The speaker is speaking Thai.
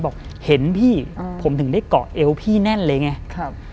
บอกเห็นพี่ผมถึงได้เกาะเอวพี่แน่นเลยไงครับ